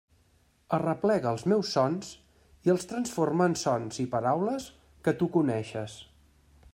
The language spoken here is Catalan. Arreplega els meus sons i els transforma en sons i paraules que tu coneixes.